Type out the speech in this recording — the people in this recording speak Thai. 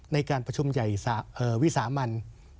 ในการประชุมใหญ่วิสามัน